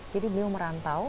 jadi beliau merantau